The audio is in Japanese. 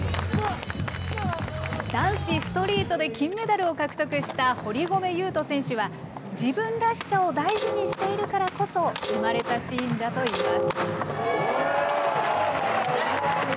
男子ストリートで金メダルを獲得した堀米雄斗選手は、自分らしさを大事にしているからこそ、生まれたシーンだといいます。